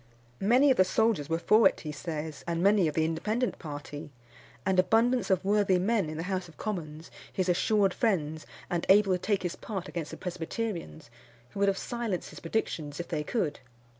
Many of the soldiers were for it, he says, and many of the Independent party, and abundance of worthy men in the House of Commons, his assured friends, and able to take his part against the Presbyterians, who would have silenced his predictions if they could.